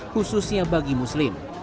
khususnya bagi muslim